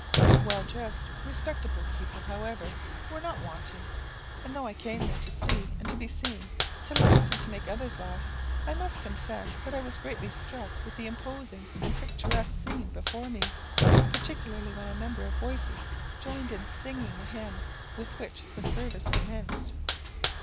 Well dressed, respectable people, however, were not wanting; and though I came there to see and to be seen, to laugh and to make others laugh, I must confess that I was greatly struck with the imposing and picturesque scene before me, particularly when a number of voices joined in singing the hymn with which the service commenced."